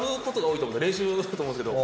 練習だと思うんですけど。